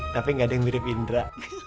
tapi gak ada yang mirip indera